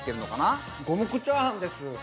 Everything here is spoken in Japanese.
五目チャーハンです。